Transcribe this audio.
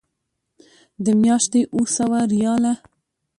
د میاشتې اوه سوه ریاله.